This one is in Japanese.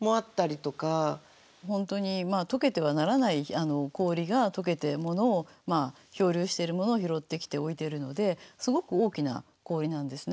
本当にまあ解けてはならない氷が解けて漂流しているものを拾ってきて置いているのですごく大きな氷なんですね。